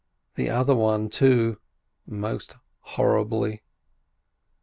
The other one too, most horribly.